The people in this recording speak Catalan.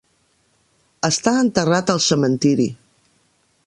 Està enterrat al cementiri.